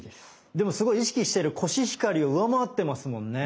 でもすごい意識してるコシヒカリを上回ってますもんね。